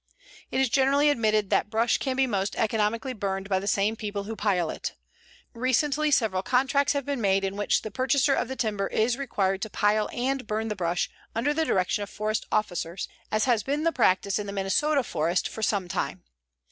It is generally admitted that brush can be most economically burned by the same people who pile it. Recently several contracts have been made in which the purchaser of the timber is required to pile and burn the brush under the direction of forest officers, as has been the practice in the Minnesota forest for some time.